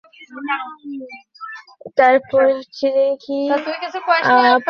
দীর্ঘদিন আমার কাছে থাকার কারণে তার প্রতি আমার বড্ড মায়াও পড়ে গেছে।